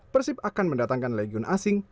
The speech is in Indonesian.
persib akan mendatangkan legion asing